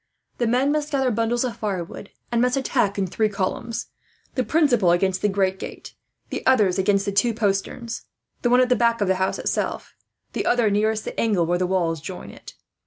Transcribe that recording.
The men must gather bundles of firewood, and must attack in three columns; the principal against the great gate, the others against the two posterns; the one at the back of the house itself, the other nearest the angle where the wall joins it.